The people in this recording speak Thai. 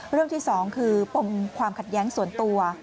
เรื่องที่๒คือปมความขัดแย้งส่วนตัว